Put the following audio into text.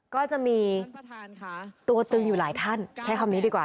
ก็จะมีตัวตึงอยู่หลายท่านใช้คำนี้ดีกว่า